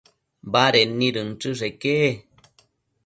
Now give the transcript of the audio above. Baded nid inchësheque